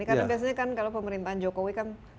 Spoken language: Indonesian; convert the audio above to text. karena biasanya pemerintahan jokowi